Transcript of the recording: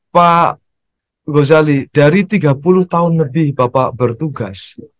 pak gozali dari tiga puluh tahun lebih bapak bertugas